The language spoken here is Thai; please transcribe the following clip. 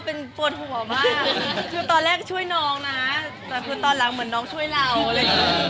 เป็นปวดหัวมากคือตอนแรกช่วยน้องนะแต่คือตอนหลังเหมือนน้องช่วยเราอะไรอย่างนี้